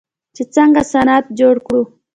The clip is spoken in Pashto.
چې څنګه صنعت جوړ کړو.